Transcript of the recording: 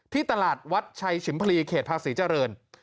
ที่ตลาดวัดชัยชิมพลีเขตภาษีเจริญ